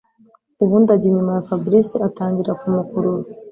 ubundi ajya inyuma ya Fabric atangira kumukurura